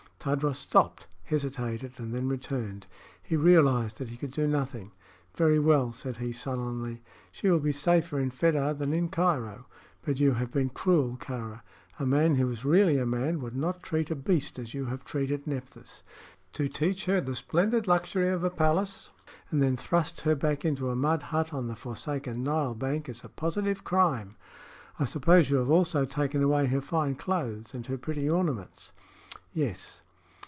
Tadros stopped, hesitated, and then returned. He realized that he could do nothing. "Very well," said he, sullenly. "She will be safer in Fedah than in Cairo. But you have been cruel, Kāra. A man who is really a man would not treat a beast as you have treated Nephthys. To teach her the splendid luxury of a palace and then thrust her back into a mud hut on the forsaken Nile bank is a positive crime! I suppose you have also taken away her fine clothes and her pretty ornaments?" "Yes."